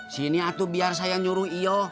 sini atuh biar saya nyuruh iyo